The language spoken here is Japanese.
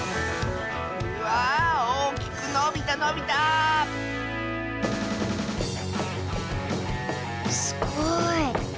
わあおおきくのびたのびたすごい。